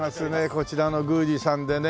こちらの宮司さんでね。